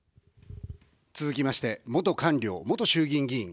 続きまして、元官僚、元衆議院議員。